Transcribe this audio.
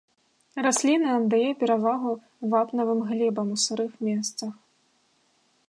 Расліна аддае перавагу вапнавым глебам у сырых месцах.